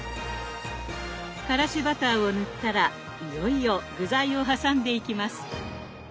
からしバターを塗ったらいよいよ具材を挟んでいきます。